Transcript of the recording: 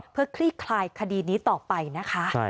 เพื่อคลี่คลายคดีนี้ต่อไปนะคะ